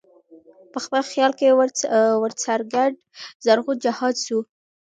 په خپل خیال کي ورڅرګند زرغون جهان سو